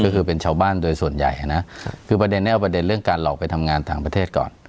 ก็คือเป็นชาวบ้านโดยส่วนใหญ่นะคือประเด็นนี้เอาประเด็นเรื่องการหลอกไปทำงานต่างประเทศก่อน